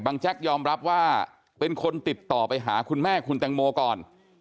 แจ๊กยอมรับว่าเป็นคนติดต่อไปหาคุณแม่คุณแตงโมก่อน